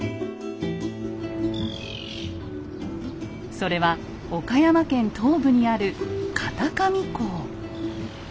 それは岡山県東部にある片上港。